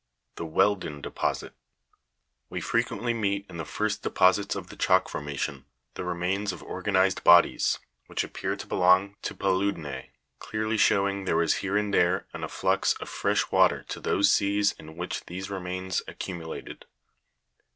6. The WEALDEN DEPOSIT. We frequently meet in the first deposits of the chalk formation the remains of organized bodies, which appear to belong to paludi'nse, clearly showing there was here and there an afflux of fresh water to those seas in which these remains accumulated.